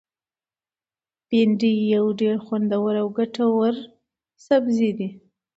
بامیه یو ډیر خوندور او ګټور سبزي دی.